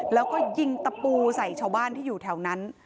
แล้วก็ยิงตะปูใส่ชาวบ้านที่อยู่แถวนั้น